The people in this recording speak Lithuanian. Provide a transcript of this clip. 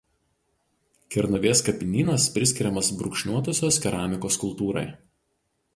Kernavės kapinynas priskiriamas brūkšniuotosios keramikos kultūrai.